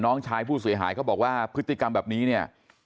น้องชายผู้เสียหายเขาบอกว่าพฤติกรรมแบบนี้เนี่ย